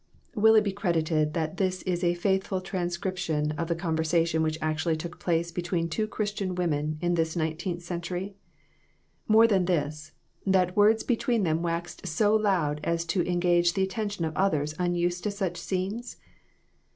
Will it be credited that this is a faithful tran scription of the conversation which actually took place between two Christian women in this nine teenth century ? More than this, that words between them waxed so loud as to engage the attention of others unused to such scenes